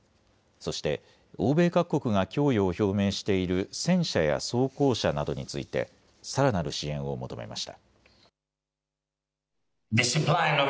そして欧米各国が供与を表明している戦車や装甲車などについてさらなる支援を求めました。